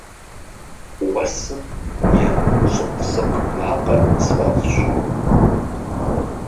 Уэсым и щӏыкъ-сыкъ макъыр сфӏэфӏщ.